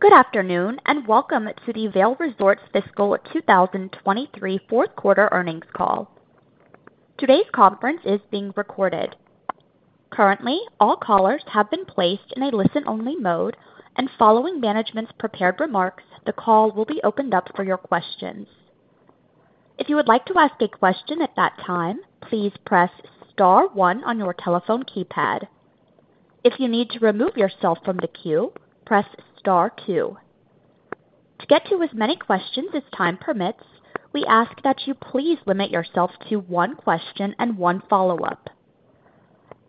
Good afternoon, and welcome to the Vail Resorts Fiscal 2023 Fourth Quarter Earnings Call. Today's conference is being recorded. Currently, all callers have been placed in a listen-only mode, and following management's prepared remarks, the call will be opened up for your questions. If you would like to ask a question at that time, please press star one on your telephone keypad. If you need to remove yourself from the queue, press star two. To get to as many questions as time permits, we ask that you please limit yourself to one question and one follow-up.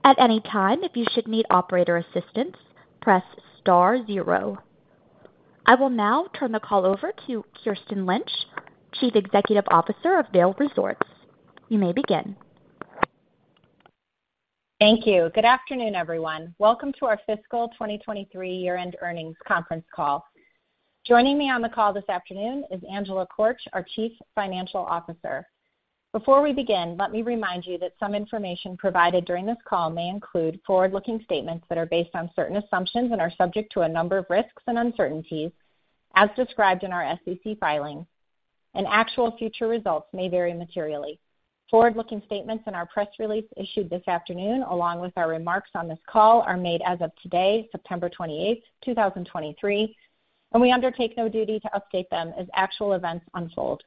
At any time, if you should need operator assistance, press star zero. I will now turn the call over to Kirsten Lynch, Chief Executive Officer of Vail Resorts. You may begin. Thank you. Good afternoon, everyone. Welcome to our fiscal 2023 year-end earnings conference call. Joining me on the call this afternoon is Angela Korch, our Chief Financial Officer. Before we begin, let me remind you that some information provided during this call may include forward-looking statements that are based on certain assumptions and are subject to a number of risks and uncertainties as described in our SEC filing, and actual future results may vary materially. Forward-looking statements in our press release issued this afternoon, along with our remarks on this call, are made as of today, September 28, 2023, and we undertake no duty to update them as actual events unfold.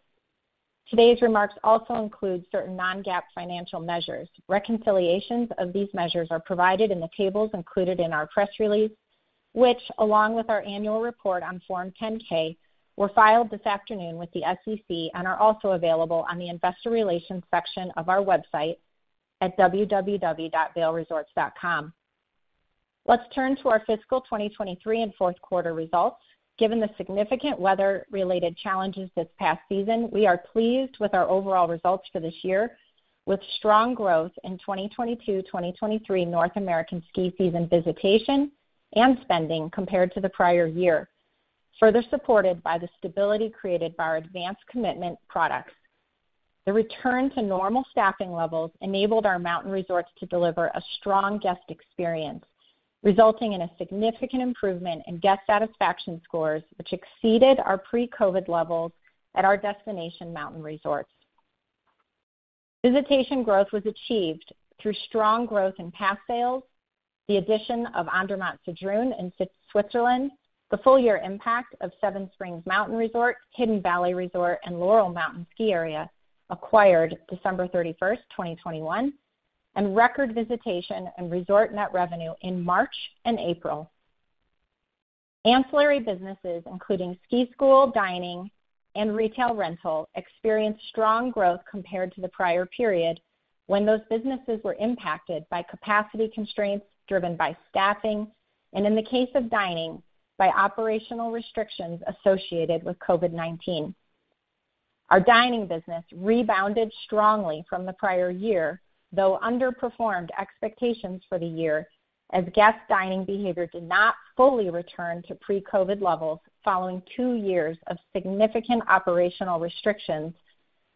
Today's remarks also include certain non-GAAP financial measures. Reconciliations of these measures are provided in the tables included in our press release, which, along with our annual report on Form 10-K, were filed this afternoon with the SEC and are also available on the Investor Relations section of our website at www.vailresorts.com. Let's turn to our fiscal 2023 and fourth quarter results. Given the significant weather-related challenges this past season, we are pleased with our overall results for this year, with strong growth in 2022, 2023 North American ski season visitation and spending compared to the prior year, further supported by the stability created by our advance commitment products. The return to normal staffing levels enabled our mountain resorts to deliver a strong guest experience, resulting in a significant improvement in guest satisfaction scores, which exceeded our pre-COVID levels at our destination mountain resorts. Visitation growth was achieved through strong growth in pass sales, the addition of Andermatt-Sedrun in Switzerland, the full year impact of Seven Springs Mountain Resort, Hidden Valley Resort, and Laurel Mountain Ski Area, acquired December 31, 2021, and record visitation and resort net revenue in March and April. Ancillary businesses, including ski school, dining, and retail rental, experienced strong growth compared to the prior period when those businesses were impacted by capacity constraints driven by staffing, and in the case of dining, by operational restrictions associated with COVID-19. Our dining business rebounded strongly from the prior year, though underperformed expectations for the year, as guest dining behavior did not fully return to pre-COVID levels following two years of significant operational restrictions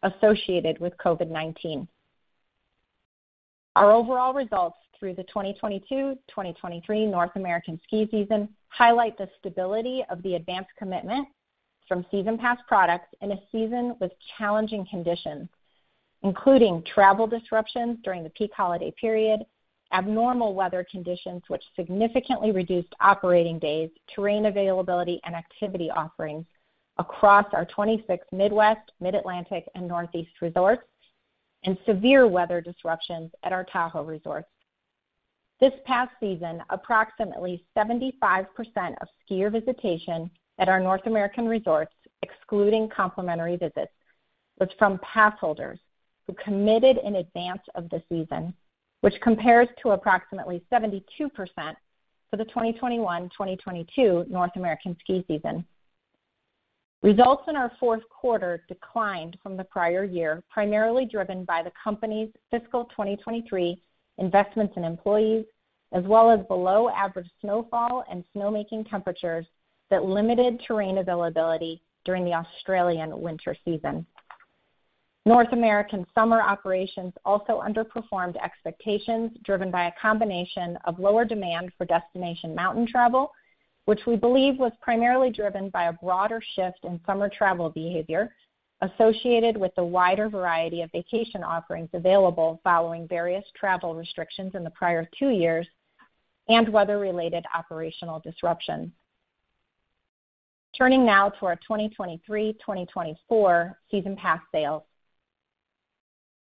associated with COVID-19. Our overall results through the 2022-2023 North American ski season highlight the stability of the advance commitment from season pass products in a season with challenging conditions, including travel disruptions during the peak holiday period, abnormal weather conditions, which significantly reduced operating days, terrain availability, and activity offerings across our 26 Midwest, Mid-Atlantic, and Northeast resorts, and severe weather disruptions at our Tahoe resorts. This past season, approximately 75% of skier visitation at our North American resorts, excluding complimentary visits, was from pass holders who committed in advance of the season, which compares to approximately 72% for the 2021-2022 North American ski season. Results in our fourth quarter declined from the prior year, primarily driven by the company's fiscal 2023 investments in employees, as well as below-average snowfall and snowmaking temperatures that limited terrain availability during the Australian winter season. North American summer operations also underperformed expectations, driven by a combination of lower demand for destination mountain travel, which we believe was primarily driven by a broader shift in summer travel behavior associated with the wider variety of vacation offerings available following various travel restrictions in the prior two years and weather-related operational disruptions. Turning now to our 2023-2024 season pass sales.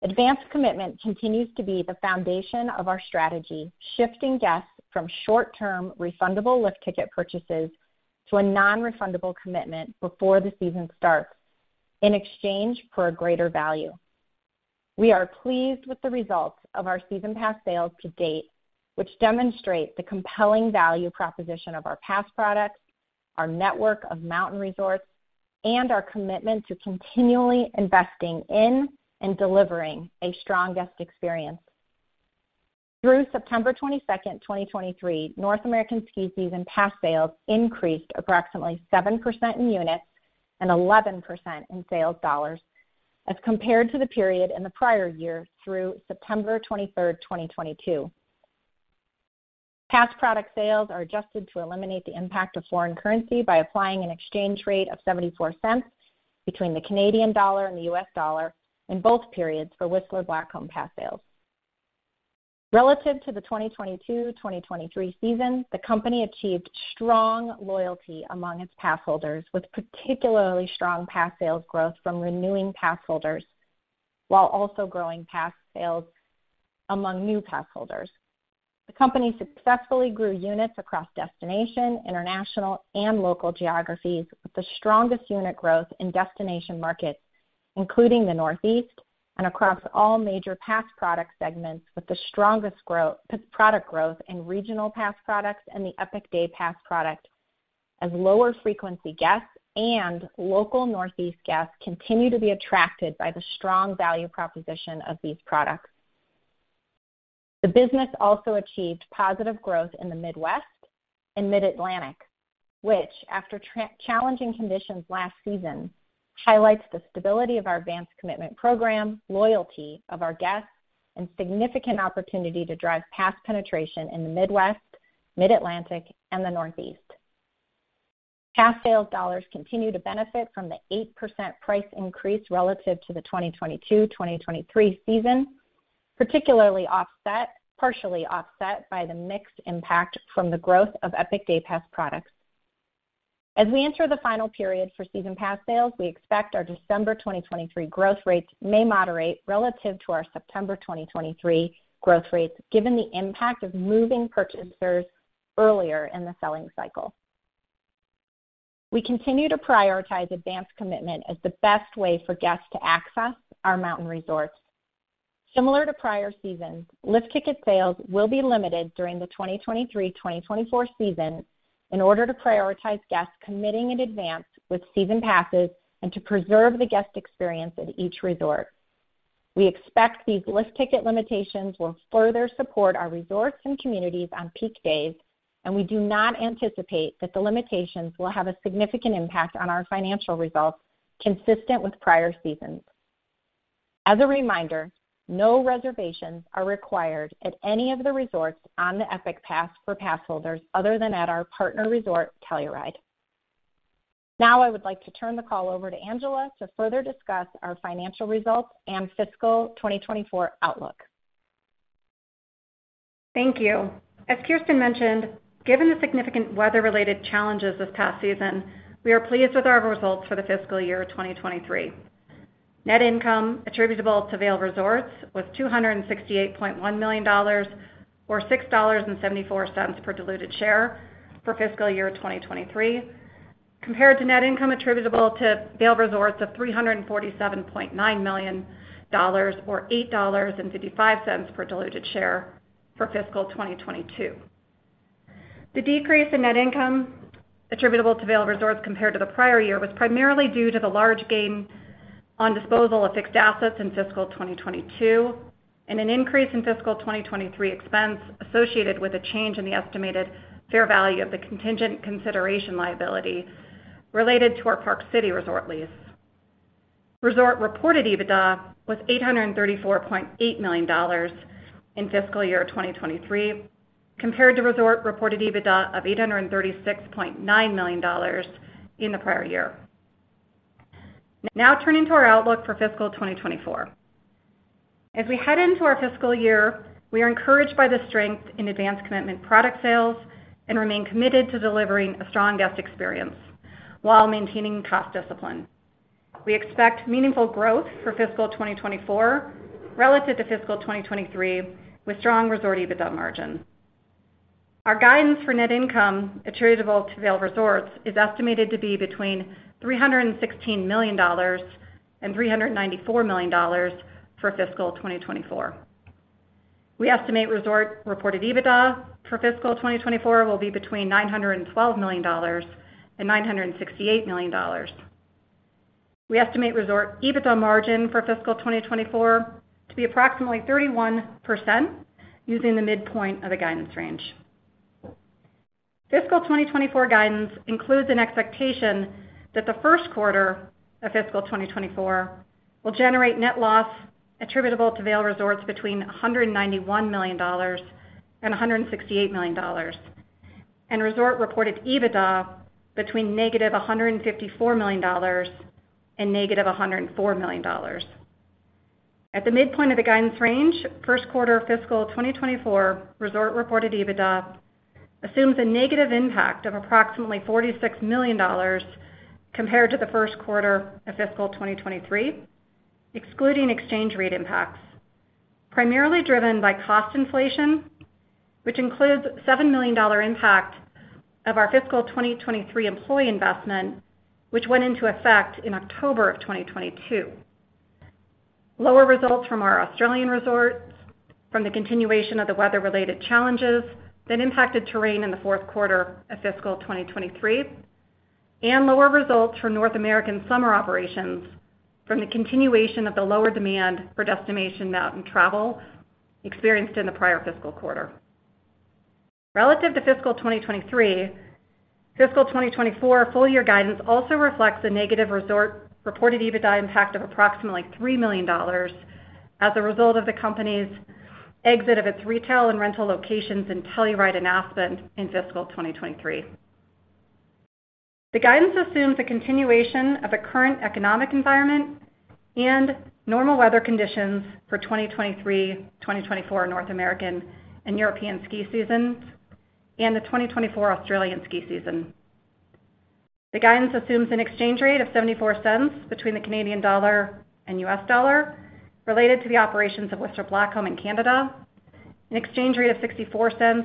Advance Commitment continues to be the foundation of our strategy, shifting guests from short-term, refundable lift ticket purchases to a non-refundable commitment before the season starts in exchange for a greater value. We are pleased with the results of our season pass sales to date, which demonstrate the compelling value proposition of our pass products, our network of mountain resorts, and our commitment to continually investing in and delivering a strong guest experience. Through September 22, 2023, North American ski season pass sales increased approximately 7% in units and 11% in sales dollars as compared to the period in the prior year through September 23, 2022. Pass product sales are adjusted to eliminate the impact of foreign currency by applying an exchange rate of $0.74 between the Canadian dollar and the U.S. dollar in both periods for Whistler Blackcomb pass sales. Relative to the 2022-2023 season, the company achieved strong loyalty among its pass holders, with particularly strong pass sales growth from renewing pass holders, while also growing pass sales among new pass holders. The company successfully grew units across destination, international, and local geographies, with the strongest unit growth in destination markets, including the Northeast and across all major pass product segments, with the strongest growth product growth in regional pass products and the Epic Day Pass product, as lower frequency guests and local Northeast guests continue to be attracted by the strong value proposition of these products. The business also achieved positive growth in the Midwest and Mid-Atlantic, which, after challenging conditions last season, highlights the stability of our advance commitment program, loyalty of our guests, and significant opportunity to drive pass penetration in the Midwest, Mid-Atlantic, and the Northeast. Pass sales dollars continue to benefit from the 8% price increase relative to the 2022-2023 season, particularly partially offset by the mixed impact from the growth of Epic Day Pass products. As we enter the final period for season pass sales, we expect our December 2023 growth rates may moderate relative to our September 2023 growth rates, given the impact of moving purchasers earlier in the selling cycle. We continue to prioritize advance commitment as the best way for guests to access our mountain resorts. Similar to prior seasons, lift ticket sales will be limited during the 2023-2024 season in order to prioritize guests committing in advance with season passes and to preserve the guest experience at each resort. We expect these lift ticket limitations will further support our resorts and communities on peak days, and we do not anticipate that the limitations will have a significant impact on our financial results consistent with prior seasons. As a reminder, no reservations are required at any of the resorts on the Epic Pass for pass holders other than at our partner resort, Telluride. Now, I would like to turn the call over to Angela to further discuss our financial results and fiscal 2024 outlook. Thank you. As Kirsten mentioned, given the significant weather-related challenges this past season, we are pleased with our results for the fiscal year 2023. Net income attributable to Vail Resorts was $268.1 million, or $6.74 per diluted share for fiscal year 2023, compared to net income attributable to Vail Resorts of $347.9 million, or $8.55 per diluted share for fiscal 2022. The decrease in net income attributable to Vail Resorts compared to the prior year was primarily due to the large gain on disposal of fixed assets in fiscal 2022, and an increase in fiscal 2023 expense associated with a change in the estimated fair value of the contingent consideration liability related to our Park City resort lease. Resort Reported EBITDA was $834.8 million in fiscal year 2023, compared to Resort Reported EBITDA of $836.9 million in the prior year. Now turning to our outlook for fiscal 2024. As we head into our fiscal year, we are encouraged by the strength in advance commitment product sales and remain committed to delivering a strong guest experience while maintaining cost discipline. We expect meaningful growth for fiscal 2024 relative to fiscal 2023, with strong resort EBITDA margin. Our guidance for net income attributable to Vail Resorts is estimated to be between $316 million and $394 million for fiscal 2024. We estimate Resort Reported EBITDA for fiscal 2024 will be between $912 million and $968 million. We estimate resort EBITDA margin for fiscal 2024 to be approximately 31%, using the midpoint of the guidance range. Fiscal 2024 guidance includes an expectation that the first quarter of fiscal 2024 will generate net loss attributable to Vail Resorts between $191 million and $168 million, and resort reported EBITDA between -$154 million and -$104 million. At the midpoint of the guidance range, first quarter of fiscal 2024, resort reported EBITDA assumes a negative impact of approximately $46 million compared to the first quarter of fiscal 2023, excluding exchange rate impacts, primarily driven by cost inflation, which includes $7 million impact of our fiscal 2023 employee investment, which went into effect in October 2022. Lower results from our Australian resorts from the continuation of the weather-related challenges that impacted terrain in the fourth quarter of fiscal 2023, and lower results for North American summer operations from the continuation of the lower demand for destination mountain travel experienced in the prior fiscal quarter. Relative to fiscal 2023, fiscal 2024 full year guidance also reflects a negative Resort Reported EBITDA impact of approximately $3 million as a result of the company's exit of its retail and rental locations in Telluride and Aspen in fiscal 2023. The guidance assumes a continuation of the current economic environment and normal weather conditions for 2023, 2024 North American and European ski seasons, and the 2024 Australian ski season. The guidance assumes an exchange rate of 0.74 between the Canadian dollar and U.S. dollar related to the operations of Whistler Blackcomb in Canada, an exchange rate of 0.64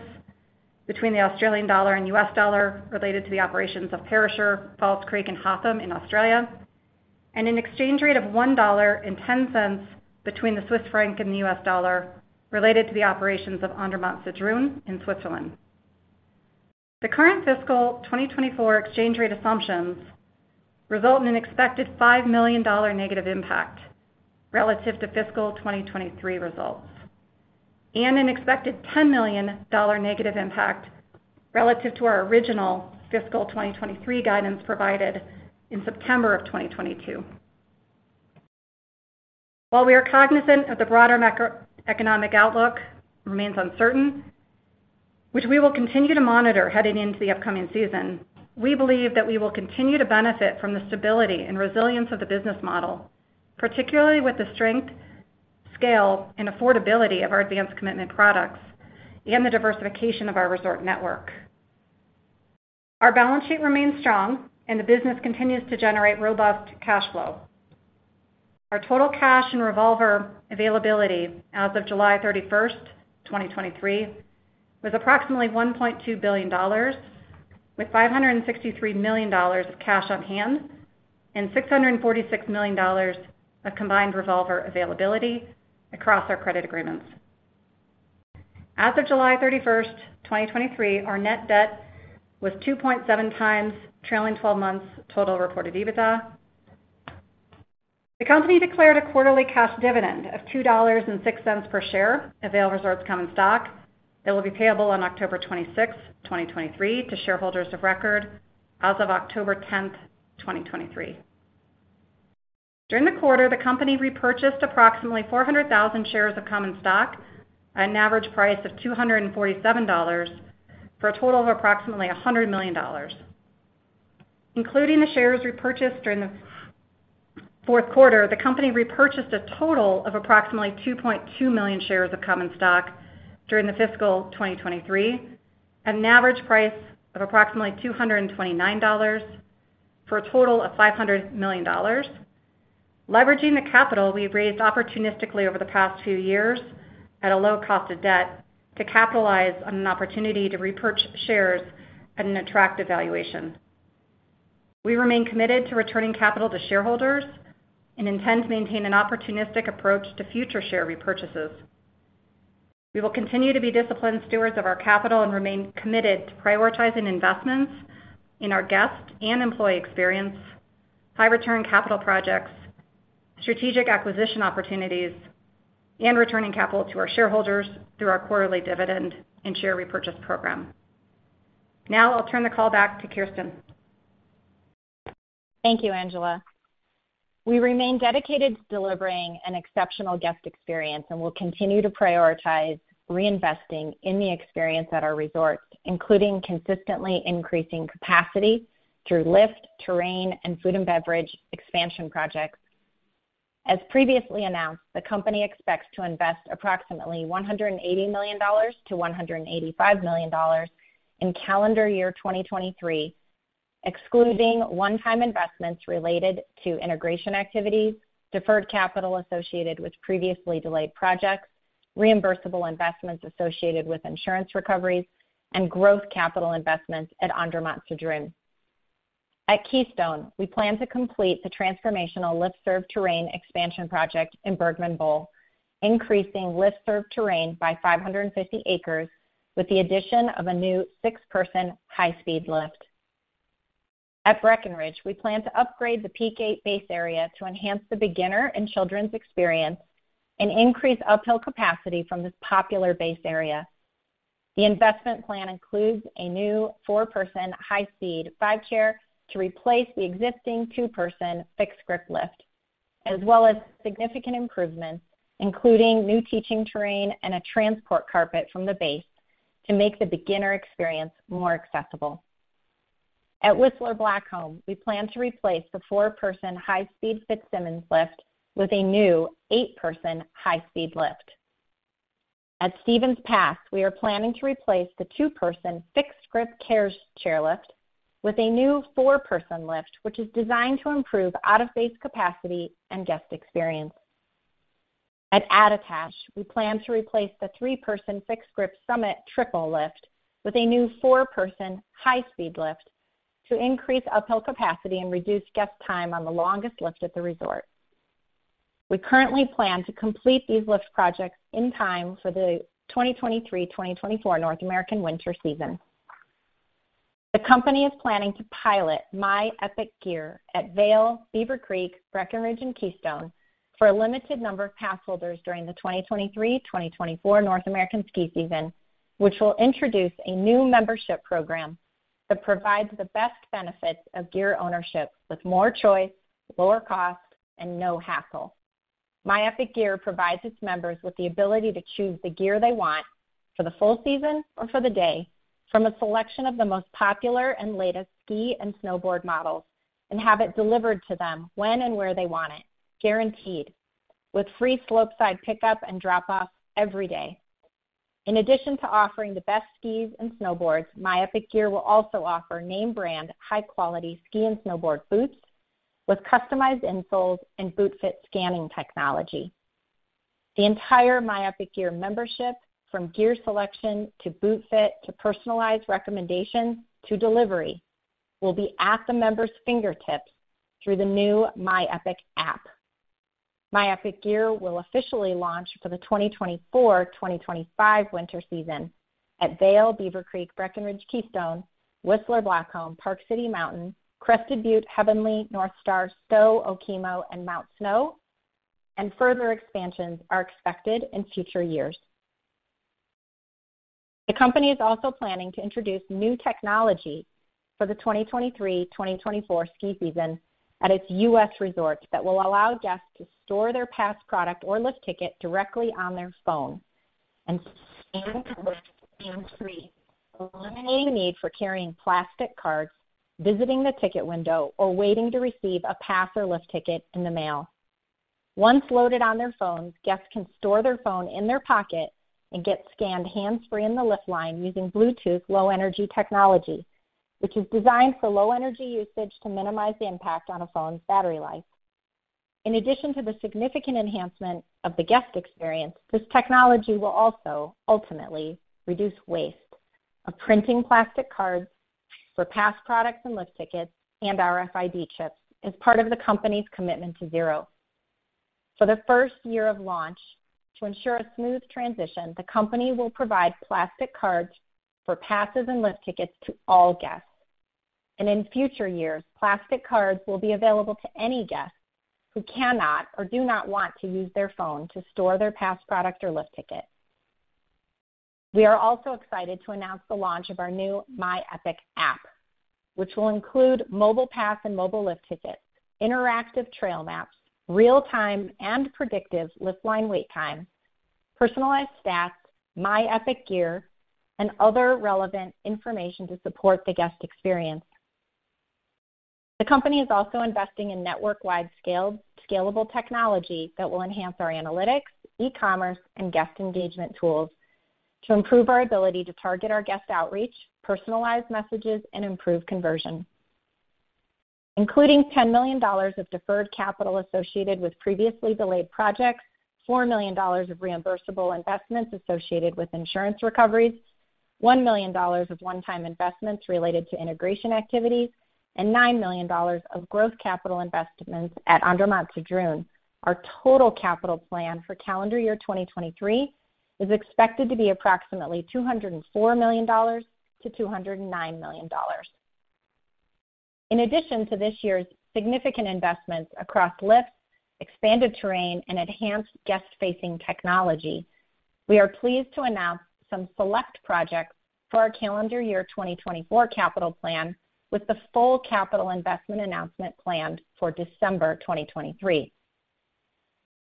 between the Australian dollar and U.S. dollar related to the operations of Perisher, Falls Creek, and Hotham in Australia, and an exchange rate of $1.10 between the Swiss franc and the U.S. dollar related to the operations of Andermatt-Sedrun in Switzerland. The current fiscal 2024 exchange rate assumptions result in an expected $5 million negative impact relative to fiscal 2023 results, and an expected $10 million negative impact relative to our original fiscal 2023 guidance provided in September of 2022. While we are cognizant that the broader macroeconomic outlook remains uncertain, which we will continue to monitor heading into the upcoming season, we believe that we will continue to benefit from the stability and resilience of the business model, particularly with the strength, scale, and affordability of our advance commitment products and the diversification of our resort network. Our balance sheet remains strong, and the business continues to generate robust cash flow. Our total cash and revolver availability as of July 31, 2023, was approximately $1.2 billion, with $563 million of cash on hand and $646 million of combined revolver availability across our credit agreements. As of July 31, 2023, our net debt was 2.7 times trailing twelve months total reported EBITDA. The company declared a quarterly cash dividend of $2.06 per share of Vail Resorts common stock that will be payable on October 26, 2023, to shareholders of record as of October 10, 2023. During the quarter, the company repurchased approximately 400,000 shares of common stock at an average price of $247, for a total of approximately $100 million. Including the shares repurchased during the fourth quarter, the company repurchased a total of approximately 2.2 million shares of common stock during the fiscal 2023 at an average price of approximately $229, for a total of $500 million. Leveraging the capital we've raised opportunistically over the past few years at a low cost of debt to capitalize on an opportunity to repurchase shares at an attractive valuation. We remain committed to returning capital to shareholders and intend to maintain an opportunistic approach to future share repurchases. We will continue to be disciplined stewards of our capital and remain committed to prioritizing investments in our guest and employee experience, high return capital projects, strategic acquisition opportunities, and returning capital to our shareholders through our quarterly dividend and share repurchase program. Now I'll turn the call back to Kirsten. Thank you, Angela. We remain dedicated to delivering an exceptional guest experience, and we'll continue to prioritize reinvesting in the experience at our resorts, including consistently increasing capacity through lift, terrain, and food and beverage expansion projects. As previously announced, the company expects to invest approximately $180 million-$185 million in calendar year 2023, excluding one-time investments related to integration activities, deferred capital associated with previously delayed projects, reimbursable investments associated with insurance recoveries, and growth capital investments at Andermatt-Sedrun. At Keystone, we plan to complete the transformational lift-served terrain expansion project in Bergman Bowl, increasing lift-served terrain by 550 acres with the addition of a new six-person high-speed lift. At Breckenridge, we plan to upgrade the Peak 8 base area to enhance the beginner and children's experience and increase uphill capacity from this popular base area. The investment plan includes a new four-person high-speed five chair to replace the existing two-person fixed-grip lift, as well as significant improvements, including new teaching terrain and a transport carpet from the base to make the beginner experience more accessible. At Whistler Blackcomb, we plan to replace the four-person high-speed Fitzsimmons lift with a new eight-person high-speed lift. At Stevens Pass, we are planning to replace the two-person fixed-grip chairlift with a new four-person lift, which is designed to improve out-of-base capacity and guest experience. At Attitash, we plan to replace the three-person fixed-grip Summit Triple lift with a new four-person high-speed lift to increase uphill capacity and reduce guest time on the longest lift at the resort. We currently plan to complete these lift projects in time for the 2023/2024 North American winter season. The company is planning to pilot My Epic Gear at Vail, Beaver Creek, Breckenridge, and Keystone for a limited number of passholders during the 2023/2024 North American ski season, which will introduce a new membership program that provides the best benefits of gear ownership with more choice, lower cost, and no hassle. My Epic Gear provides its members with the ability to choose the gear they want for the full season or for the day, from a selection of the most popular and latest ski and snowboard models, and have it delivered to them when and where they want it, guaranteed, with free slope-side pickup and drop-off every day. In addition to offering the best skis and snowboards, My Epic Gear will also offer name brand, high-quality ski and snowboard boots with customized insoles and boot fit scanning technology. The entire My Epic Gear membership, from gear selection to boot fit, to personalized recommendations, to delivery, will be at the member's fingertips through the new My Epic app. My Epic Gear will officially launch for the 2024/2025 winter season at Vail, Beaver Creek, Breckenridge, Keystone, Whistler Blackcomb, Park City Mountain, Crested Butte, Heavenly, Northstar, Stowe, Okemo, and Mount Snow, and further expansions are expected in future years. The company is also planning to introduce new technology for the 2023/2024 ski season at its U.S. resorts that will allow guests to store their pass product or lift ticket directly on their phone and scan hands-free, eliminating the need for carrying plastic cards, visiting the ticket window, or waiting to receive a pass or lift ticket in the mail. Once loaded on their phones, guests can store their phone in their pocket and get scanned hands-free in the lift line using Bluetooth Low Energy technology, which is designed for low energy usage to minimize the impact on a phone's battery life. In addition to the significant enhancement of the guest experience, this technology will also ultimately reduce waste of printing plastic cards for pass products and lift tickets and RFID chips as part of the company's Commitment to Zero. For the first year of launch, to ensure a smooth transition, the company will provide plastic cards for passes and lift tickets to all guests. In future years, plastic cards will be available to any guests who cannot or do not want to use their phone to store their pass product or lift ticket. We are also excited to announce the launch of our new My Epic app, which will include mobile pass and mobile lift tickets, interactive trail maps, real-time and predictive lift line wait time, real-time and predictive lift line wait time, personalized stats, My Epic Gear, and other relevant information to support the guest experience. The company is also investing in network-wide scaled, scalable technology that will enhance our analytics, e-commerce, and guest engagement tools to improve our ability to target our guest outreach, personalize messages, and improve conversion. Including $10 million of deferred capital associated with previously delayed projects, $4 million of reimbursable investments associated with insurance recoveries, $1 million of one-time investments related to integration activities, and $9 million of growth capital investments at Andermatt-Sedrun, our total capital plan for calendar year 2023 is expected to be approximately $204 million-$209 million. In addition to this year's significant investments across lifts, expanded terrain, and enhanced guest-facing technology, we are pleased to announce some select projects for our calendar year 2024 capital plan, with the full capital investment announcement planned for December 2023.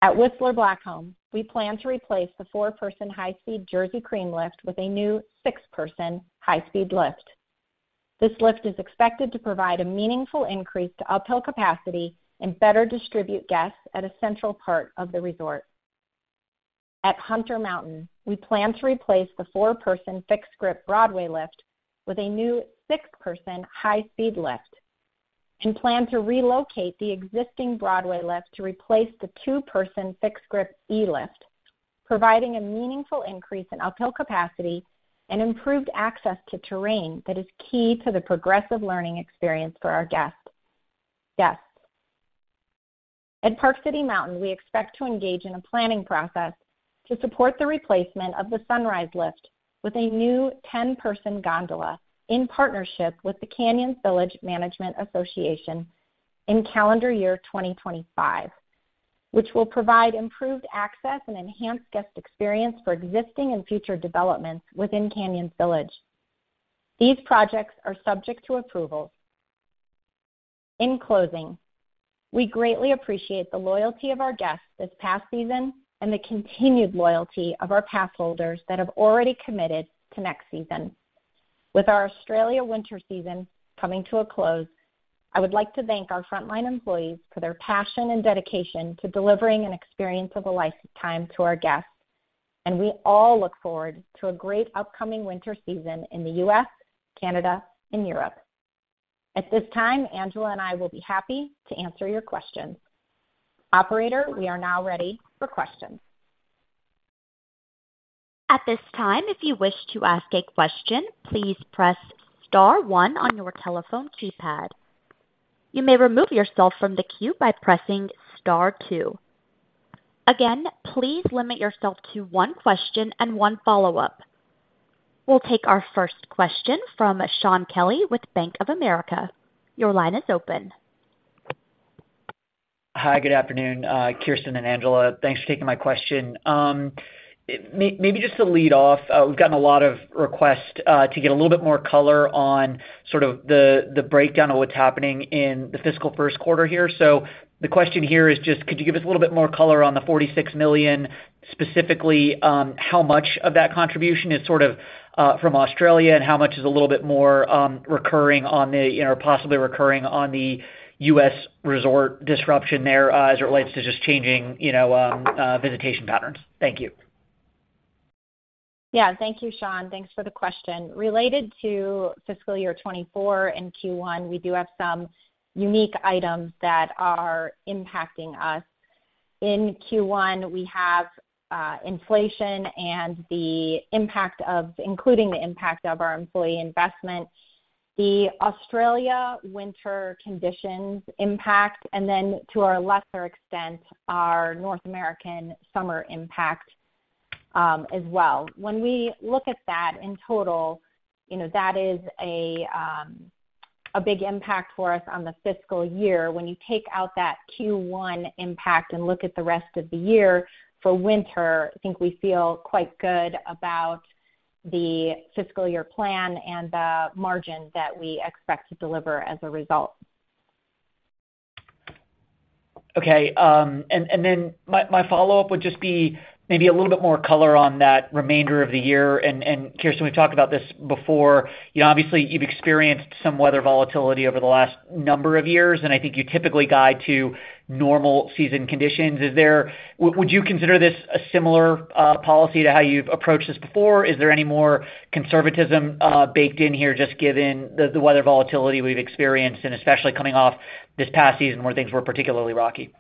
At Whistler Blackcomb, we plan to replace the four-person high-speed Jersey Cream lift with a new six-person high-speed lift. This lift is expected to provide a meaningful increase to uphill capacity and better distribute guests at a central part of the resort. At Hunter Mountain, we plan to replace the 4-person fixed-grip Broadway lift with a new 6-person high-speed lift and plan to relocate the existing Broadway lift to replace the 2-person fixed-grip E lift, providing a meaningful increase in uphill capacity and improved access to terrain that is key to the progressive learning experience for our guests. At Park City Mountain, we expect to engage in a planning process to support the replacement of the Sunrise lift with a new 10-person gondola in partnership with the Canyons Village Management Association in calendar year 2025, which will provide improved access and enhanced guest experience for existing and future developments within Canyons Village. These projects are subject to approval. In closing, we greatly appreciate the loyalty of our guests this past season and the continued loyalty of our passholders that have already committed to next season. With our Australia winter season coming to a close, I would like to thank our frontline employees for their passion and dedication to delivering an experience of a lifetime to our guests, and we all look forward to a great upcoming winter season in the U.S., Canada, and Europe. At this time, Angela and I will be happy to answer your questions. Operator, we are now ready for questions. At this time, if you wish to ask a question, please press star one on your telephone keypad. You may remove yourself from the queue by pressing star two. Again, please limit yourself to one question and one follow-up. We'll take our first question from Shaun Kelley with Bank of America. Your line is open. Hi, good afternoon, Kirsten and Angela. Thanks for taking my question. Maybe just to lead off, we've gotten a lot of requests to get a little bit more color on sort of the breakdown of what's happening in the fiscal first quarter here. So the question here is just, could you give us a little bit more color on the $46 million, specifically, how much of that contribution is sort of from Australia, and how much is a little bit more recurring on the, or possibly recurring on the U.S. resort disruption there, as it relates to just changing, you know, visitation patterns? Thank you. Yeah. Thank you, Shaun. Thanks for the question. Related to fiscal year 2024 and Q1, we do have some unique items that are impacting us. In Q1, we have inflation and the impact of including the impact of our employee investment, the Australia winter conditions impact, and then, to a lesser extent, our North American summer impact, as well. When we look at that in total, you know, that is a big impact for us on the fiscal year. When you take out that Q1 impact and look at the rest of the year, for winter, I think we feel quite good about the fiscal year plan and the margin that we expect to deliver as a result. Okay, and then my follow-up would just be maybe a little bit more color on that remainder of the year. Kirsten, we've talked about this before. You know, obviously, you've experienced some weather volatility over the last number of years, and I think you typically guide to normal season conditions. Would you consider this a similar policy to how you've approached this before? Is there any more conservatism baked in here, just given the weather volatility we've experienced, and especially coming off this past season, where things were particularly rocky? Yeah,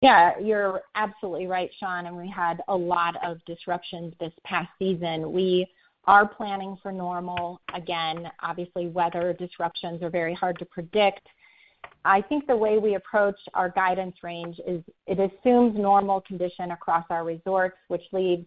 you're absolutely right, Shaun, and we had a lot of disruptions this past season. We are planning for normal. Again, obviously, weather disruptions are very hard to predict. I think the way we approach our guidance range is it assumes normal condition across our resorts, which leaves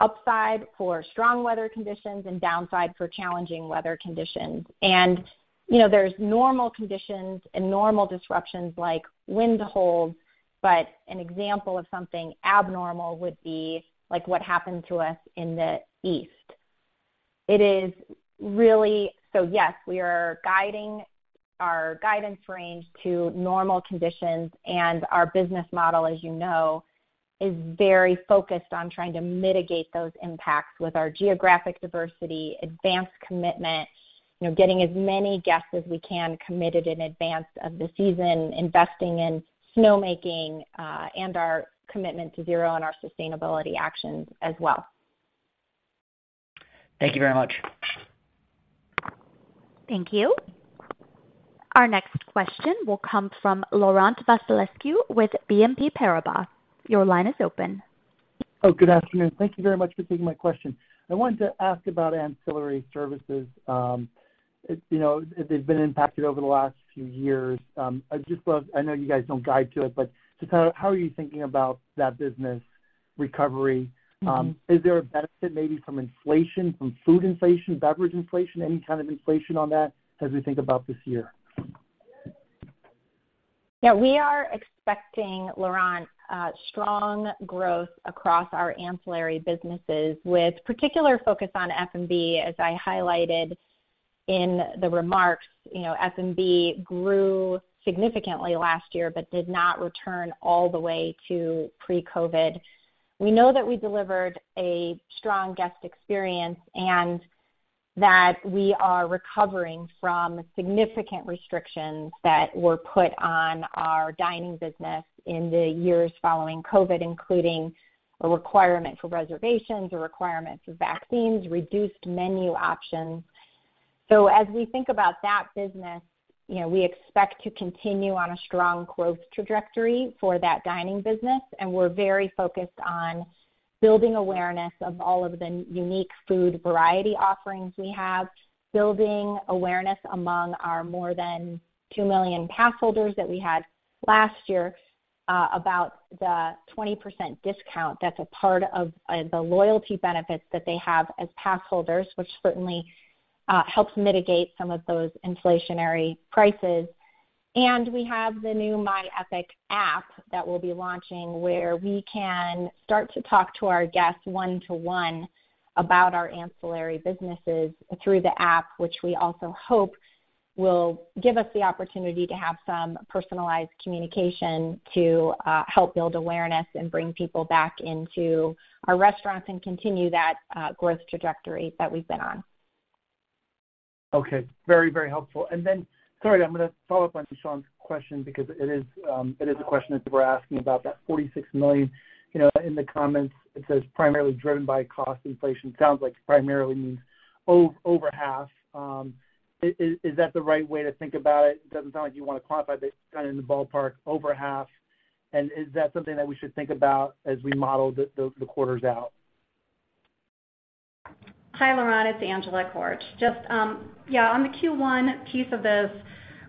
upside for strong weather conditions and downside for challenging weather conditions. And, you know, there's normal conditions and normal disruptions like wind holds, but an example of something abnormal would be like what happened to us in the east. It is really... So yes, we are guiding our guidance range to normal conditions, and our business model, as you know, is very focused on trying to mitigate those impacts with our geographic diversity, advance commitment, you know, getting as many guests as we can committed in advance of the season, investing in snowmaking, and our Commitment to Zero on our sustainability actions as well. Thank you very much. Thank you. Our next question will come from Laurent Vasilescu with BNP Paribas. Your line is open. Oh, good afternoon. Thank you very much for taking my question. I wanted to ask about ancillary services. It, you know, it's been impacted over the last few years. I'd just love—I know you guys don't guide to it, but just how, how are you thinking about that business recovery? Is there a benefit maybe from inflation, from food inflation, beverage inflation, any kind of inflation on that as we think about this year? Yeah, we are expecting, Laurent, strong growth across our ancillary businesses, with particular focus on F&B. As I highlighted in the remarks, you know, F&B grew significantly last year but did not return all the way to pre-COVID. We know that we delivered a strong guest experience and that we are recovering from significant restrictions that were put on our dining business in the years following COVID, including a requirement for reservations, a requirement for vaccines, reduced menu options. As we think about that business, you know, we expect to continue on a strong growth trajectory for that dining business, and we're very focused on building awareness of all of the unique food variety offerings we have, building awareness among our more than 2 million pass holders that we had last year, about the 20% discount that's a part of the loyalty benefits that they have as pass holders, which certainly helps mitigate some of those inflationary prices. And we have the new My Epic app that we'll be launching, where we can start to talk to our guests one-to-one about our ancillary businesses through the app, which we also hope will give us the opportunity to have some personalized communication to help build awareness and bring people back into our restaurants and continue that growth trajectory that we've been on. Okay. Very, very helpful. And then, sorry, I'm gonna follow up on Sean's question because it is a question that we're asking about that $46 million. You know, in the comments, it says primarily driven by cost inflation. Sounds like primarily means over half. Is that the right way to think about it? It doesn't sound like you want to quantify, but kind of in the ballpark, over half, and is that something that we should think about as we model the quarters out? Hi, Laurent, it's Angela Korch. Just, yeah, on the Q1 piece of this,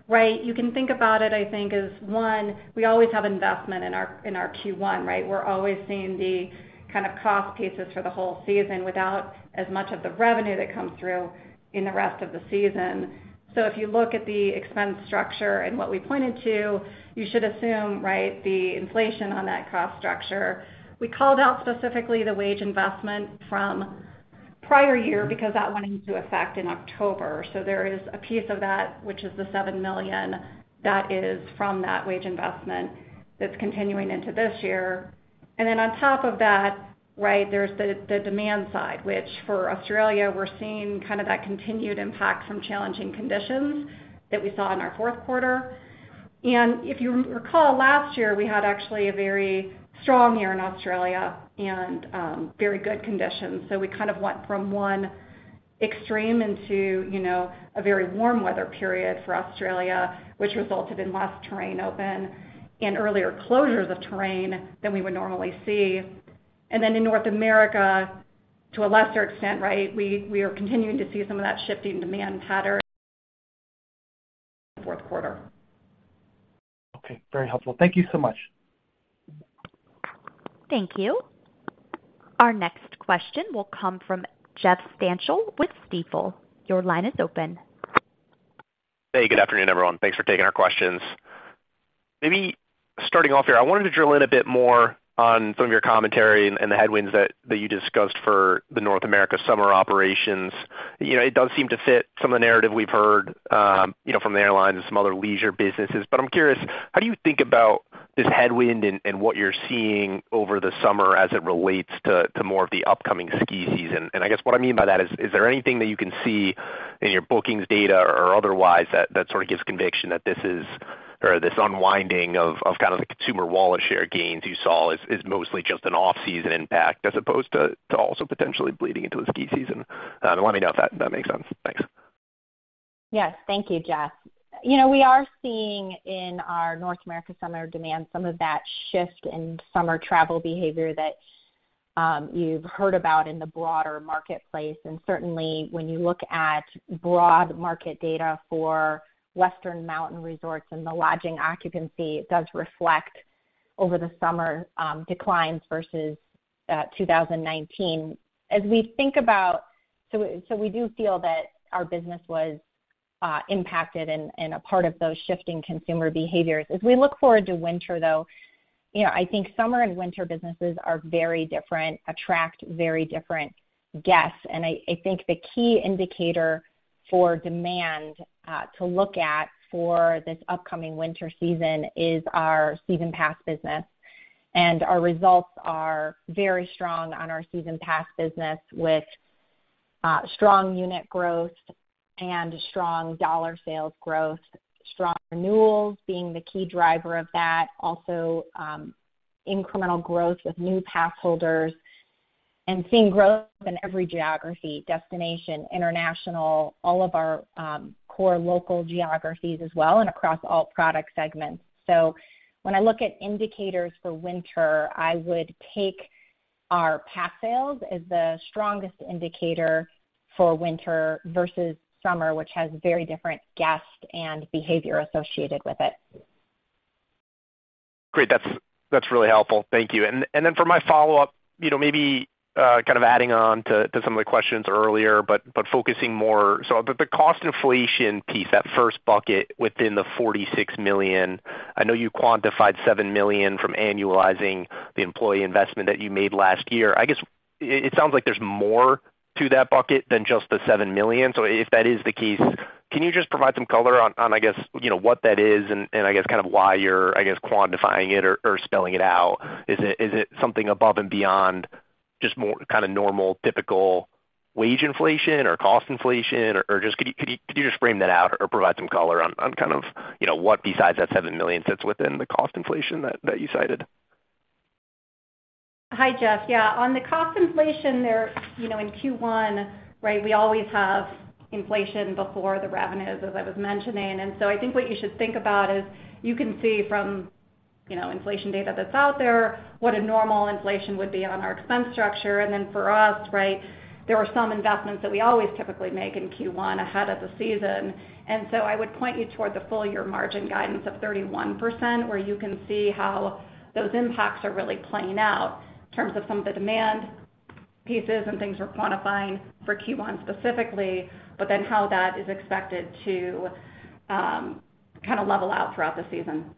right? You can think about it, I think, as one. We always have investment in our, in our Q1, right? We're always seeing the kind of cost pieces for the whole season without as much of the revenue that comes through in the rest of the season. So if you look at the expense structure and what we pointed to, you should assume, right, the inflation on that cost structure. We called out specifically the wage investment from prior year because that went into effect in October. So there is a piece of that, which is the $7 million, that is from that wage investment that's continuing into this year. And then on top of that, right, there's the demand side, which for Australia, we're seeing kind of that continued impact from challenging conditions that we saw in our fourth quarter. And if you recall, last year, we had actually a very strong year in Australia and very good conditions. So we kind of went from one extreme into, you know, a very warm weather period for Australia, which resulted in less terrain open and earlier closures of terrain than we would normally see. And then in North America, to a lesser extent, right, we are continuing to see some of that shifting demand pattern fourth quarter. Okay, very helpful. Thank you so much. Thank you. Our next question will come from Jeffrey Stantial with Stifel. Your line is open. Hey, good afternoon, everyone. Thanks for taking our questions. Maybe starting off here, I wanted to drill in a bit more on some of your commentary and the headwinds that you discussed for the North America summer operations. You know, it does seem to fit some of the narrative we've heard, you know, from the airlines and some other leisure businesses. But I'm curious, how do you think about this headwind and what you're seeing over the summer as it relates to more of the upcoming ski season? And I guess what I mean by that is, is there anything that you can see in your bookings data or otherwise that, that sort of gives conviction that this is, or this unwinding of, of kind of the consumer wallet share gains you saw is, is mostly just an off-season impact as opposed to, to also potentially bleeding into the ski season? Let me know if that, if that makes sense. Thanks. Yes. Thank you, Jeff. You know, we are seeing in our North America summer demand some of that shift in summer travel behavior that you've heard about in the broader marketplace. And certainly, when you look at broad market data for Western mountain resorts and the lodging occupancy, it does reflect over the summer declines versus 2019. As we think about, we do feel that our business was impacted and a part of those shifting consumer behaviors. As we look forward to winter, though, you know, I think summer and winter businesses are very different, attract very different guests. And I think the key indicator for demand to look at for this upcoming winter season is our season pass business. Our results are very strong on our season pass business, with strong unit growth and strong dollar sales growth, strong renewals being the key driver of that. Also, incremental growth with new pass holders and seeing growth in every geography, destination, international, all of our core local geographies as well, and across all product segments. When I look at indicators for winter, I would take our pass sales as the strongest indicator for winter versus summer, which has very different guests and behavior associated with it. Great. That's, that's really helpful. Thank you. And then for my follow-up, you know, maybe kind of adding on to some of the questions earlier, but focusing more. So the cost inflation piece, that first bucket within the $46 million, I know you quantified $7 million from annualizing the employee investment that you made last year. I guess, it sounds like there's more to that bucket than just the $7 million. So if that is the case, can you just provide some color on, I guess, you know, what that is and, I guess, kind of why you're quantifying it or spelling it out? Is it something above and beyond just more kind of normal, typical wage inflation or cost inflation? Or just could you just frame that out or provide some color on kind of, you know, what besides that $7 million sits within the cost inflation that you cited? Hi, Jeff. Yeah, on the cost inflation there, you know, in Q1, right, we always have inflation before the revenues, as I was mentioning. And so I think what you should think about is you can see from, you know, inflation data that's out there, what a normal inflation would be on our expense structure. And then for us, right, there are some investments that we always typically make in Q1 ahead of the season. And so I would point you toward the full year margin guidance of 31%, where you can see how those impacts are really playing out in terms of some of the demand pieces and things we're quantifying for Q1 specifically, but then how that is expected to kind of level out throughout the season.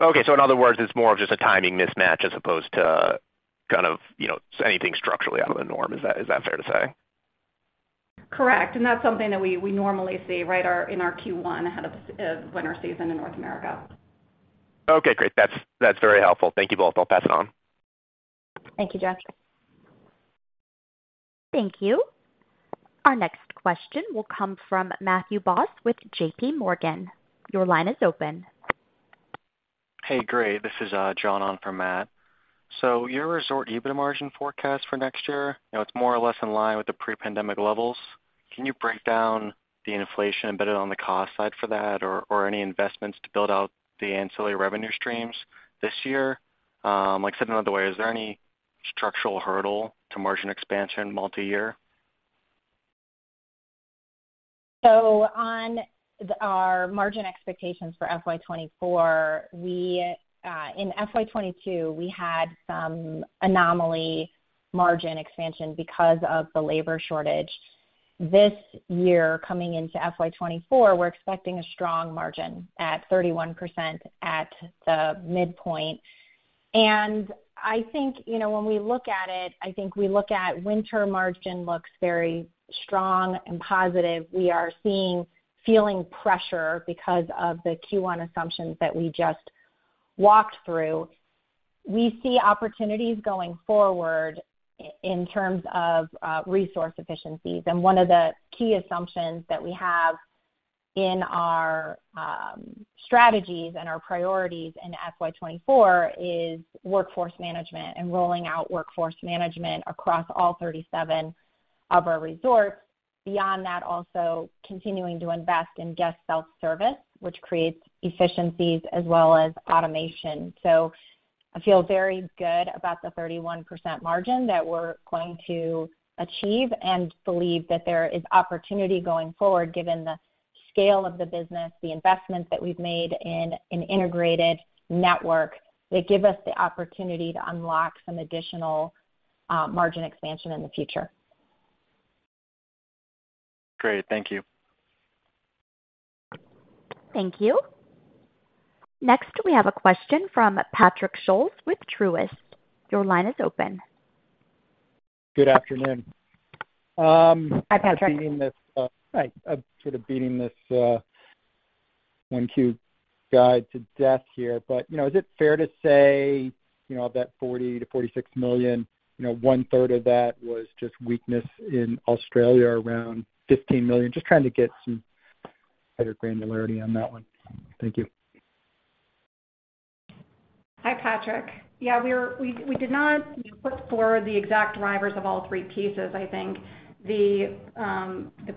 Okay, so in other words, it's more of just a timing mismatch as opposed to kind of, you know, anything structurally out of the norm. Is that, is that fair to say? Correct. And that's something that we normally see, right, in our Q1 ahead of winter season in North America. Okay, great. That's, that's very helpful. Thank you both. I'll pass it on. Thank you, Jeff. Thank you. Our next question will come from Matthew Boss with JPMorgan. Your line is open. Hey, great. This is, John on for Matt. So your resort EBITDA margin forecast for next year, you know, it's more or less in line with the pre-pandemic levels? Can you break down the inflation embedded on the cost side for that, or, or any investments to build out the ancillary revenue streams this year? Like, said another way, is there any structural hurdle to margin expansion multi-year? So on our margin expectations for FY 2024, we, in FY 2022, we had some anomaly margin expansion because of the labor shortage. This year, coming into FY 2024, we're expecting a strong margin at 31% at the midpoint. And I think, you know, when we look at it, I think we look at winter margin looks very strong and positive. We are feeling pressure because of the Q1 assumptions that we just walked through. We see opportunities going forward in terms of resource efficiencies. And one of the key assumptions that we have in our strategies and our priorities in FY 2024 is workforce management and rolling out workforce management across all 37 of our resorts. Beyond that, also continuing to invest in guest self-service, which creates efficiencies as well as automation. I feel very good about the 31% margin that we're going to achieve and believe that there is opportunity going forward given the scale of the business, the investments that we've made in an integrated network, that give us the opportunity to unlock some additional margin expansion in the future. Great. Thank you. Thank you. Next, we have a question from Patrick Scholes with Truist. Your line is open. Good afternoon. Hi, Patrick. Beating this, Hi. I'm sort of beating this, Q guide to death here, but, you know, is it fair to say, you know, of that $40 million-$46 million, you know, one third of that was just weakness in Australia, around $15 million? Just trying to get some better granularity on that one. Thank you. Hi, Patrick. Yeah, we did not put forward the exact drivers of all three pieces. I think the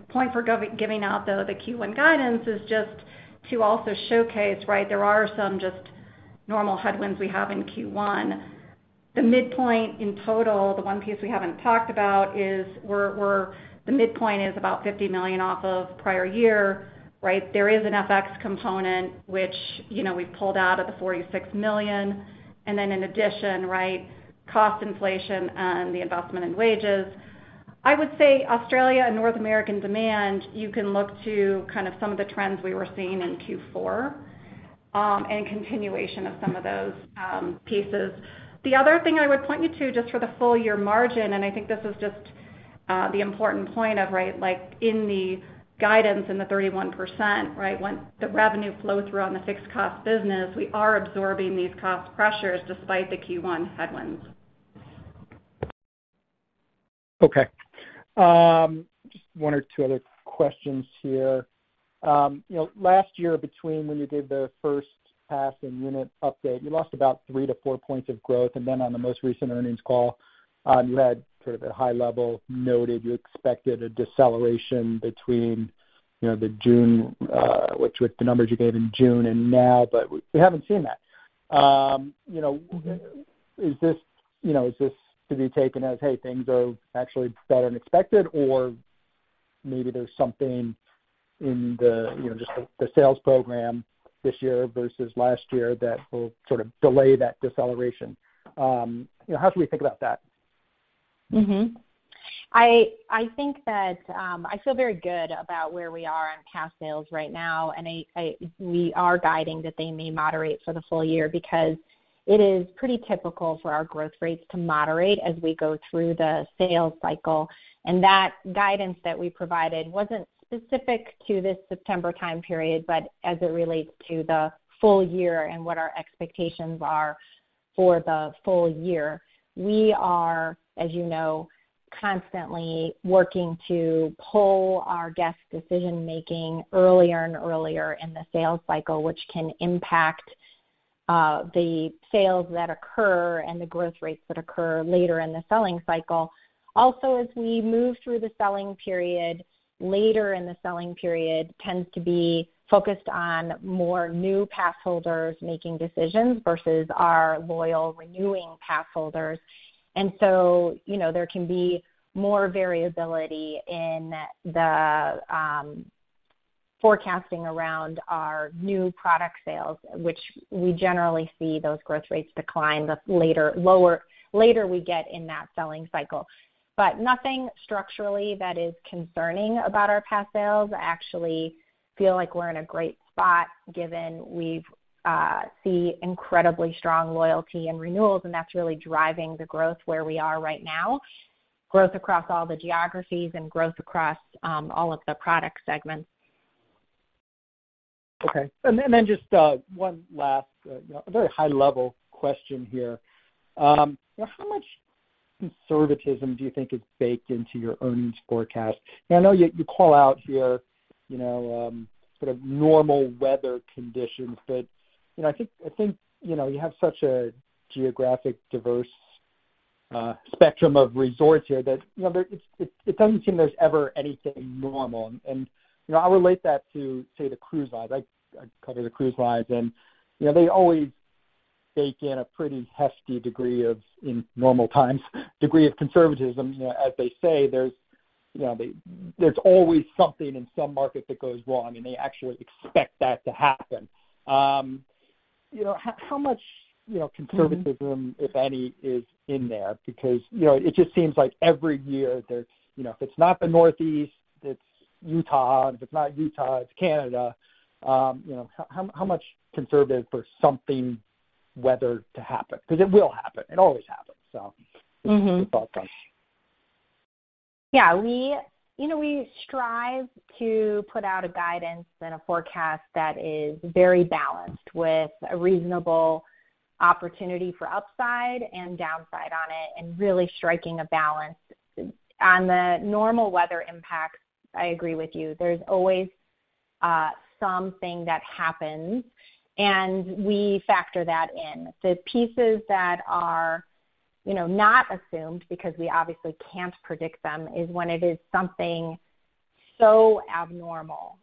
point for giving out, though, the Q1 guidance is just to also showcase, right, there are some just normal headwinds we have in Q1. The midpoint in total, the one piece we haven't talked about, is about $50 million off of prior year, right? There is an FX component, which, you know, we've pulled out of the $46 million, and then in addition, right, cost inflation and the investment in wages. I would say Australia and North American demand, you can look to kind of some of the trends we were seeing in Q4, and continuation of some of those pieces. The other thing I would point you to, just for the full year margin, and I think this is just, the important point of, right, like, in the guidance in the 31%, right? Once the revenue flow through on the fixed cost business, we are absorbing these cost pressures despite the Q1 headwinds. Okay. Just one or two other questions here. You know, last year, between when you did the first pass and unit update, you lost about 3-4 points of growth, and then on the most recent earnings call, you had sort of a high level noted you expected a deceleration between, you know, the June, which, with the numbers you gave in June and now, but we haven't seen that. You know, is this, you know, is this to be taken as, hey, things are actually better than expected, or maybe there's something in the, you know, just the, the sales program this year versus last year that will sort of delay that deceleration? You know, how should we think about that? Mm-hmm. I, I think that I feel very good about where we are on pass sales right now, and we are guiding that they may moderate for the full year because it is pretty typical for our growth rates to moderate as we go through the sales cycle. That guidance that we provided wasn't specific to this September time period, but as it relates to the full year and what our expectations are for the full year. We are, as you know, constantly working to pull our guest decision-making earlier and earlier in the sales cycle, which can impact the sales that occur and the growth rates that occur later in the selling cycle. Also, as we move through the selling period, later in the selling period tends to be focused on more new passholders making decisions versus our loyal renewing passholders. So, you know, there can be more variability in the forecasting around our new product sales, which we generally see those growth rates decline the later, lower—later we get in that selling cycle. But nothing structurally that is concerning about our pass sales. I actually feel like we're in a great spot, given we've see incredibly strong loyalty and renewals, and that's really driving the growth where we are right now. Growth across all the geographies and growth across all of the product segments. Okay. And then just, one last, you know, a very high-level question here. How much conservatism do you think is baked into your earnings forecast? I know you call out here, you know, sort of normal weather conditions, but, you know, I think, you know, you have such a geographic diverse spectrum of resorts here that, you know, there, it doesn't seem there's ever anything normal. And, you know, I'll relate that to, say, the cruise lines. I cover the cruise lines and, you know, they always bake in a pretty hefty degree of, in normal times, degree of conservatism. As they say, there's, you know, there's always something in some market that goes wrong, and they actually expect that to happen. You know, how much, you know, conservatism, if any, is in there? Because, you know, it just seems like every year there's, you know, if it's not the Northeast, it's Utah. And if it's not Utah, it's Canada. You know, how much conservative or something weather to happen? Because it will happen. It always happens, so- Mm-hmm. Just a thought from you. Yeah, we, you know, we strive to put out a guidance and a forecast that is very balanced, with a reasonable opportunity for upside and downside on it, and really striking a balance. On the normal weather impacts, I agree with you. There's always something that happens, and we factor that in. The pieces that are, you know, not assumed, because we obviously can't predict them, is when it is something so abnormal,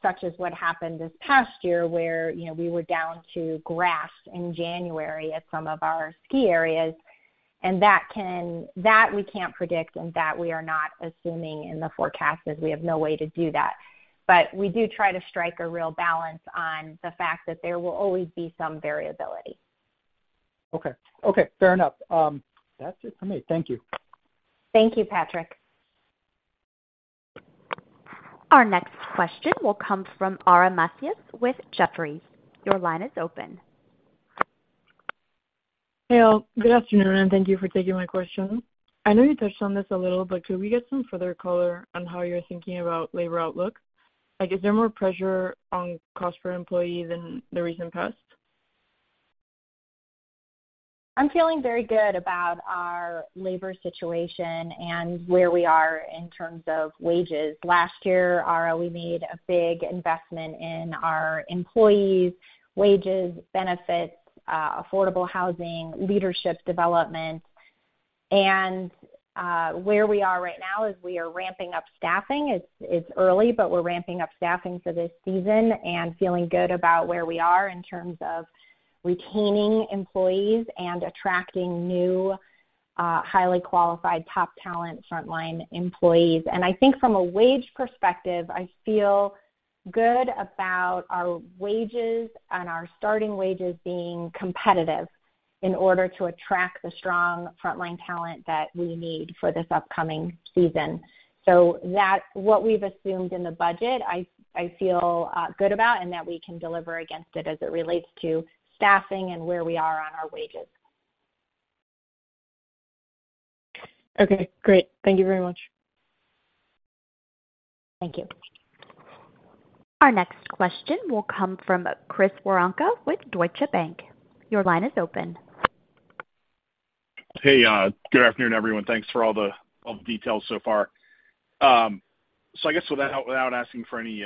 such as what happened this past year, where, you know, we were down to grass in January at some of our ski areas. And that we can't predict, and that we are not assuming in the forecast, as we have no way to do that. But we do try to strike a real balance on the fact that there will always be some variability. Okay. Okay, fair enough. That's it for me. Thank you. Thank you, Patrick. Our next question will come from Omer Mariyal with Jefferies. Your line is open. Hey, all. Good afternoon, and thank you for taking my question. I know you touched on this a little, but could we get some further color on how you're thinking about labor outlook? Like, is there more pressure on cost per employee than the recent past? I'm feeling very good about our labor situation and where we are in terms of wages. Last year, Omer, we made a big investment in our employees' wages, benefits, affordable housing, leadership development. And where we are right now is we are ramping up staffing. It's early, but we're ramping up staffing for this season and feeling good about where we are in terms of retaining employees and attracting new highly qualified, top talent frontline employees. And I think from a wage perspective, I feel good about our wages and our starting wages being competitive in order to attract the strong frontline talent that we need for this upcoming season. So that's what we've assumed in the budget. I feel good about, and that we can deliver against it as it relates to staffing and where we are on our wages. Okay, great. Thank you very much. Thank you. Our next question will come from Chris Woronka with Deutsche Bank. Your line is open. Hey, good afternoon, everyone. Thanks for all the details so far. So I guess without asking for any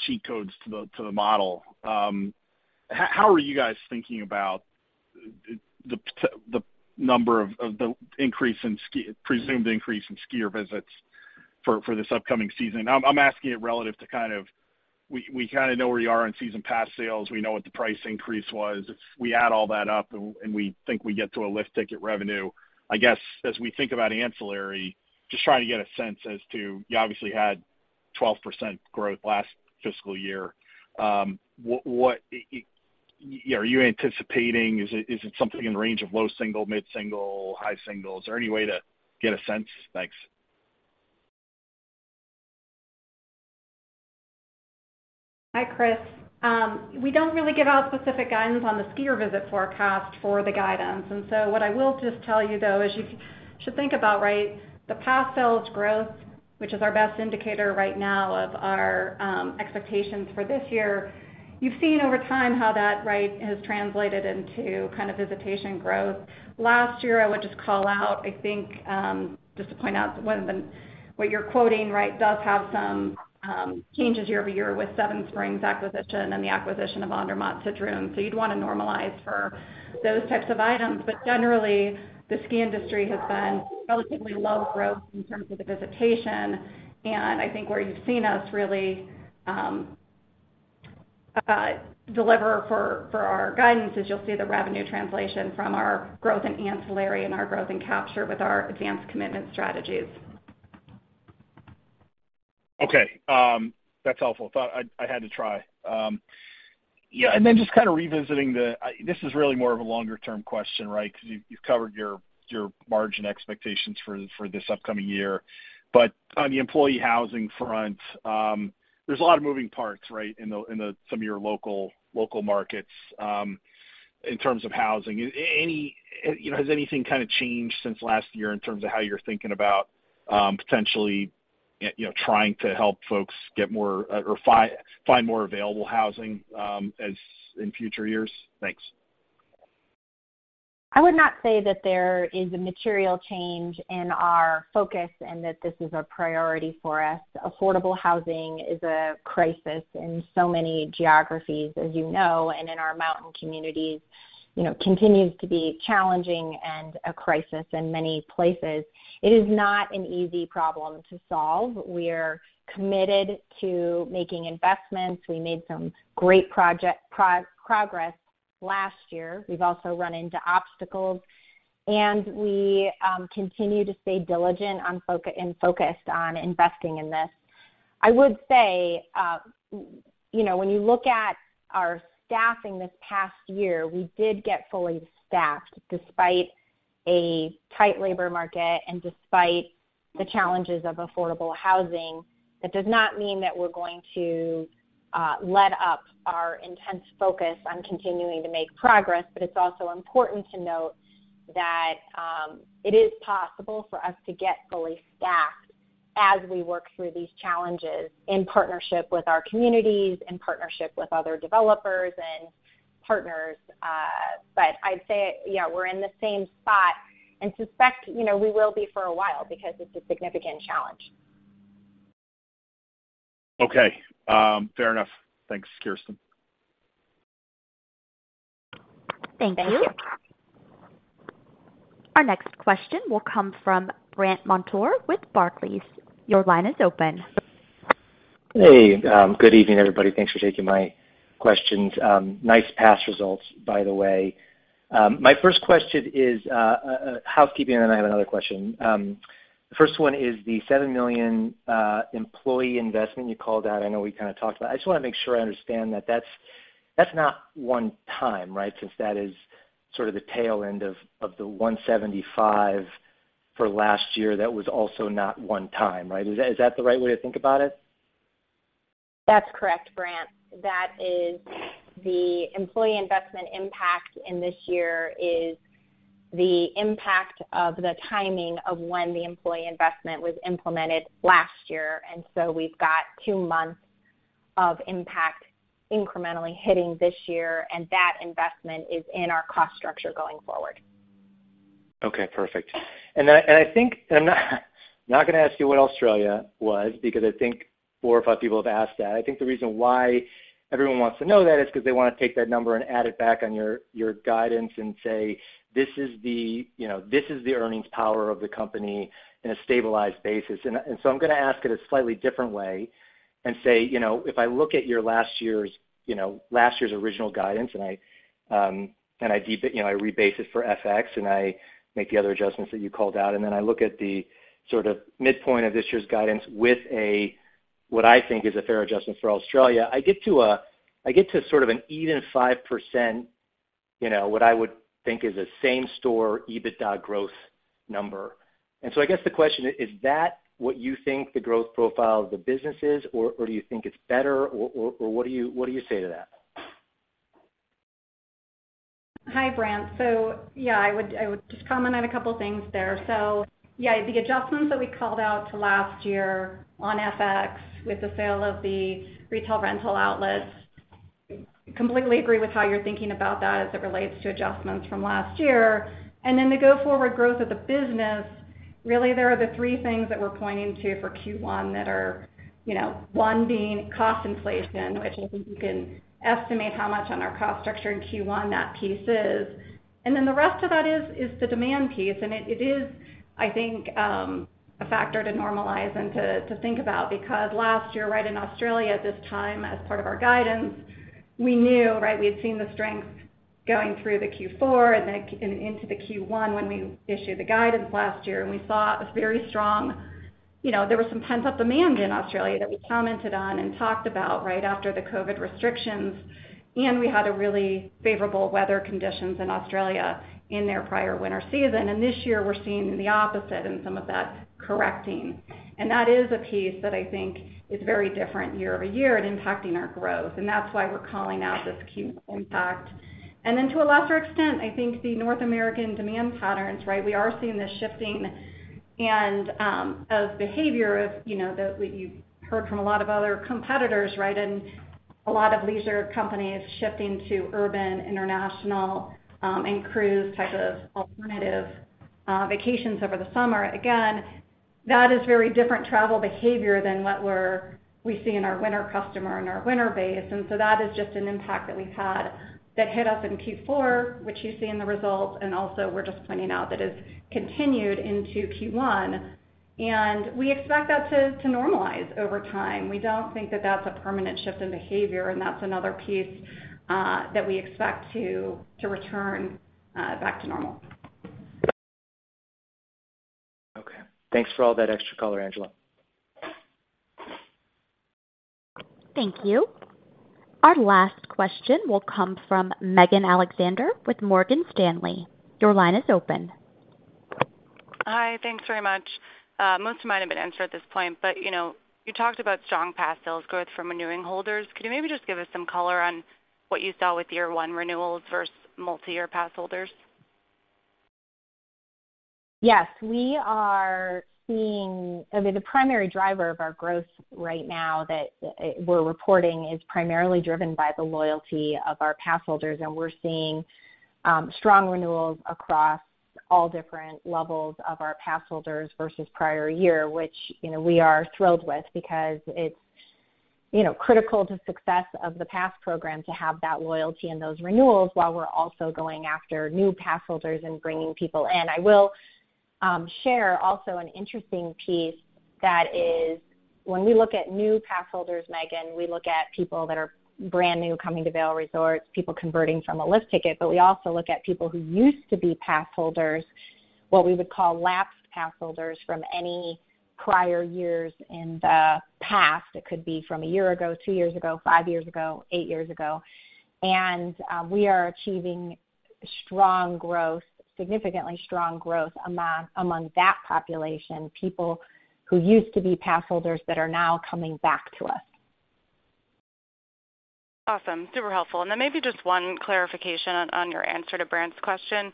cheat codes to the model, how are you guys thinking about the number of the increase in ski-- presumed increase in skier visits for this upcoming season? I'm asking it relative to kind of we kind of know where you are in season pass sales. We know what the price increase was. If we add all that up, and we think we get to a lift ticket revenue, I guess, as we think about ancillary, just trying to get a sense as to... You obviously had 12% growth last fiscal year. What are you anticipating? Is it something in the range of low single, mid-single, high single? Is there any way to get a sense? Thanks. Hi, Chris. We don't really give out specific guidance on the skier visit forecast for the guidance. And so what I will just tell you, though, is you should think about, right, the pass sales growth, which is our best indicator right now of our, expectations for this year. You've seen over time how that, right, has translated into kind of visitation growth. Last year, I would just call out, I think, just to point out one of the, what you're quoting, right, does have some, changes year-over-year with Seven Springs acquisition and the acquisition of Andermatt-Sedrun. So you'd want to normalize for those types of items. But generally, the ski industry has been relatively low growth in terms of the visitation. I think where you've seen us really deliver for our guidance is you'll see the revenue translation from our growth in ancillary and our growth in capture with our Advance Commitment strategies. Okay, that's helpful. Thought I had to try. Yeah, and then just kind of revisiting the... This is really more of a longer-term question, right? Because you've covered your margin expectations for this upcoming year. But on the employee housing front, there's a lot of moving parts, right, in some of your local markets, in terms of housing. Any, you know, has anything kind of changed since last year in terms of how you're thinking about potentially you know, trying to help folks get more or find more available housing, as in future years? Thanks. I would not say that there is a material change in our focus and that this is a priority for us. Affordable housing is a crisis in so many geographies, as you know, and in our mountain communities, you know, continues to be challenging and a crisis in many places. It is not an easy problem to solve. We are committed to making investments. We made some great progress last year. We've also run into obstacles, and we continue to stay diligent on focus, and focused on investing in this. I would say, you know, when you look at our staffing this past year, we did get fully staffed despite a tight labor market and despite the challenges of affordable housing. That does not mean that we're going to let up our intense focus on continuing to make progress, but it's also important to note that it is possible for us to get fully staffed as we work through these challenges in partnership with our communities, in partnership with other developers and partners. But I'd say, yeah, we're in the same spot and suspect, you know, we will be for a while because it's a significant challenge. Okay, fair enough. Thanks, Kirsten. Thank you. Our next question will come from Brandt Montour with Barclays. Your line is open. Hey, good evening, everybody. Thanks for taking my questions. Nice pass results, by the way. My first question is housekeeping, and then I have another question. The first one is the $7 million employee investment you called out. I know we kind of talked about. I just wanna make sure I understand that that's, that's not one time, right? Since that is sort of the tail end of the $175 million for last year, that was also not one time, right? Is that, is that the right way to think about it? That's correct, Brandt. That is the employee investment impact in this year is the impact of the timing of when the employee investment was implemented last year. And so we've got two months of impact incrementally hitting this year, and that investment is in our cost structure going forward. Okay, perfect. And I, and I think. I'm not gonna ask you what Australia was because I think four or five people have asked that. I think the reason why everyone wants to know that is because they wanna take that number and add it back on your guidance and say, "This is the, you know, this is the earnings power of the company in a stabilized basis." And so I'm gonna ask it a slightly different way and say, you know, if I look at your last year's, you know, last year's original guidance, and I rebase it for FX, and I make the other adjustments that you called out, and then I look at the sort of midpoint of this year's guidance with a, what I think is a fair adjustment for Australia, I get to sort of an even 5%, you know, what I would think is a same store EBITDA growth number. So I guess the question: Is that what you think the growth profile of the business is, or do you think it's better, or what do you say to that? Hi, Brandt. So yeah, I would just comment on a couple of things there. So yeah, the adjustments that we called out to last year on FX with the sale of the retail rental outlets, completely agree with how you're thinking about that as it relates to adjustments from last year. And then the go-forward growth of the business, really, there are the three things that we're pointing to for Q1 that are, you know, one being cost inflation, which I think you can estimate how much on our cost structure in Q1 that piece is. And then the rest of that is the demand piece, and it is, I think, a factor to normalize and to think about. Because last year, right in Australia at this time, as part of our guidance, we knew, right, we had seen the strength going through the Q4 and then, and into the Q1 when we issued the guidance last year. And we saw a very strong... You know, there was some pent-up demand in Australia that we commented on and talked about right after the COVID restrictions, and we had really favorable weather conditions in Australia in their prior winter season. And this year, we're seeing the opposite and some of that correcting. And that is a piece that I think is very different year-over-year and impacting our growth, and that's why we're calling out this Q impact. And then to a lesser extent, I think the North American demand patterns, right? We are seeing this shifting and of behavior of, you know, the, you've heard from a lot of other competitors, right, and a lot of leisure companies shifting to urban, international, and cruise type of alternative vacations over the summer. Again, that is very different travel behavior than what we see in our winter customer and our winter base. And so that is just an impact that we've had that hit us in Q4, which you see in the results, and also we're just pointing out that it's continued into Q1. And we expect that to normalize over time. We don't think that that's a permanent shift in behavior, and that's another piece that we expect to return back to normal. Okay. Thanks for all that extra color, Angela. Thank you. Our last question will come from Megan Alexander with Morgan Stanley. Your line is open. Hi, thanks very much. Most of mine have been answered at this point, but, you know, you talked about strong pass sales growth from renewing holders. Could you maybe just give us some color on what you saw with year-one renewals versus multi-year pass holders? Yes, we are seeing, I mean, the primary driver of our growth right now that we're reporting is primarily driven by the loyalty of our pass holders, and we're seeing strong renewals across all different levels of our pass holders versus prior year, which, you know, we are thrilled with because it's, you know, critical to success of the pass program to have that loyalty and those renewals while we're also going after new pass holders and bringing people in. I will share also an interesting piece that is when we look at new pass holders, Megan, we look at people that are brand new coming to Vail Resorts, people converting from a lift ticket, but we also look at people who used to be pass holders, what we would call lapsed pass holders from any prior years in the past. It could be from a year ago, two years ago, five years ago, eight years ago. We are achieving strong growth, significantly strong growth among that population, people who used to be pass holders that are now coming back to us. Awesome. Super helpful. Then maybe just one clarification on your answer to Brandt's question.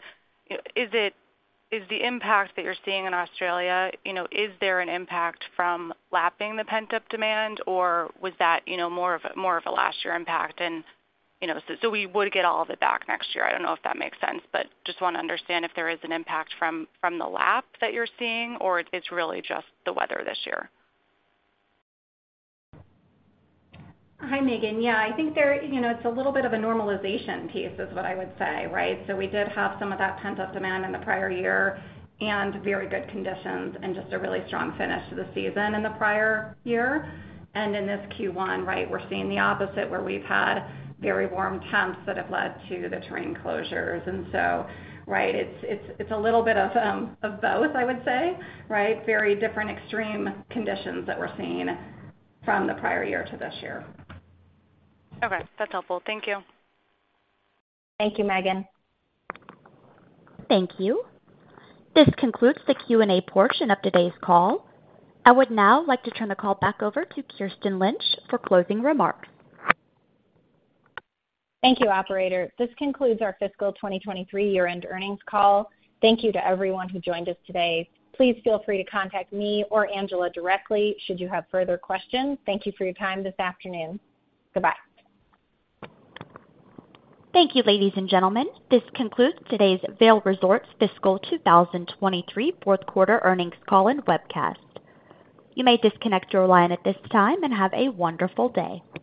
Is it—is the impact that you're seeing in Australia, you know, is there an impact from lapping the pent-up demand, or was that, you know, more of a, more of a last year impact? And, you know, so we would get all of it back next year. I don't know if that makes sense, but just wanna understand if there is an impact from the lap that you're seeing, or it's really just the weather this year. Hi, Megan. Yeah, I think there, you know, it's a little bit of a normalization piece is what I would say, right? So we did have some of that pent-up demand in the prior year and very good conditions and just a really strong finish to the season in the prior year. And in this Q1, right, we're seeing the opposite, where we've had very warm temps that have led to the terrain closures. And so, right, it's, it's, it's a little bit of, of both, I would say, right? Very different extreme conditions that we're seeing from the prior year to this year. Okay. That's helpful. Thank you. Thank you, Megan. Thank you. This concludes the Q&A portion of today's call. I would now like to turn the call back over to Kirsten Lynch for closing remarks. Thank you, operator. This concludes our fiscal 2023 year-end earnings call. Thank you to everyone who joined us today. Please feel free to contact me or Angela directly should you have further questions. Thank you for your time this afternoon. Goodbye. Thank you, ladies and gentlemen. This concludes today's Vail Resorts fiscal 2023 fourth quarter earnings call and webcast. You may disconnect your line at this time, and have a wonderful day.